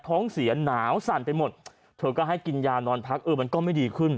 ท้องเสียหนาวสั่นไปหมดเธอก็ให้กินยานอนพักเออมันก็ไม่ดีขึ้น